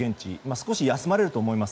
少し休まれると思います